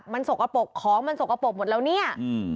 มันสกปรกของมันสกปรกหมดแล้วเนี่ย